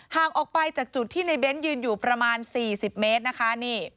ออกไปจากจุดที่ในเน้นยืนอยู่ประมาณ๔๐เมตรนะคะ